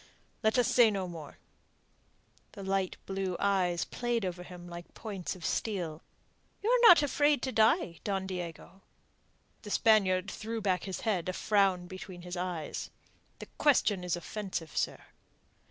"Let us say no more." The light blue eyes played over him like points of steel. "You are not afraid to die, Don Diego?" The Spaniard threw back his head, a frown between his eyes. "The question is offensive, sir."